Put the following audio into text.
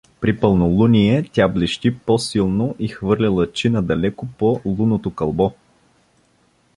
При пълнолуние тя блещи по-силно и хвърля лъчи надалеко по лунното кълбо.